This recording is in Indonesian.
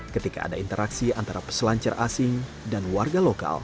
ketika ada interaksi antara peselancar asing dan warga lokal